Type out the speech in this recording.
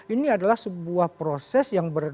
ini adalah sebuah proses yang